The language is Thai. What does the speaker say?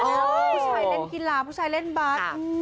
ผู้ชายเล่นกีฬาผู้ชายเล่นบัส